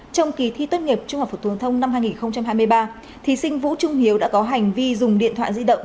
trong kỳ thi tốt nghiệp trung học phổ thông năm hai nghìn hai mươi ba thí sinh vũ trung hiếu đã có hành vi dùng điện thoại di động